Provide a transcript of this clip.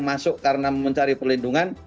masuk karena mencari perlindungan